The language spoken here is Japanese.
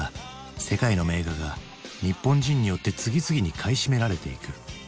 世界の名画が日本人によって次々に買い占められていく。